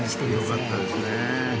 よかったですね。